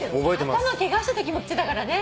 頭ケガしたときも来てたからね。